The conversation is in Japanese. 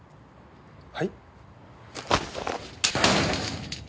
はい？